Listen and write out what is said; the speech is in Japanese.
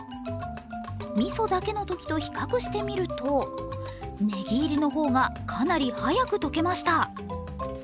みそだけのときと比較してみるとねぎ入りの方がかなり早く溶けました。